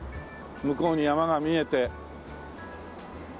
向こうに山が見えてねっ。